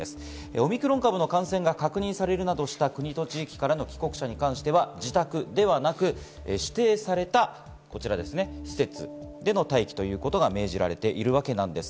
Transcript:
オミクロン株の感染が確認されるなどした国と地域からの帰国者に関しては自宅ではなく、指定された施設での待機を命じられているわけです。